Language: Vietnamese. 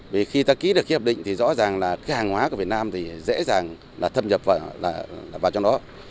vì khi ta ký được cái hợp định thì rõ ràng là cái hàng hóa của việt nam thì dễ dàng là thâm nhập vào trong đó